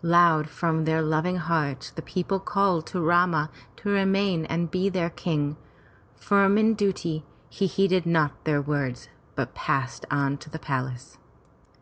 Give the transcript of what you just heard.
Loud from theif loving hearts the people called to Rama to remain and be their King. Firm in duty, he heeded not their words but passed on to the palace.